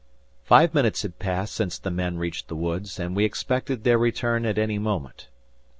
Five minutes had passed since the men reached the woods, and we expected their return at any moment.